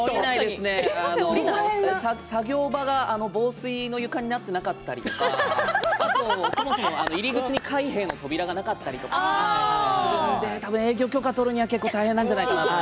作業場が防水の床になっていなかったりとかあと、そもそも入り口に開閉の扉がなかったりとか営業を許可を取るには結構大変なんじゃないかな。